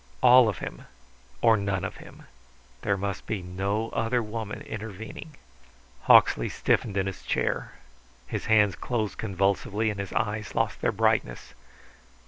All of him or none of him. There must be no other woman intervening. Hawksley stiffened in his chair. His hands closed convulsively and his eyes lost their brightness.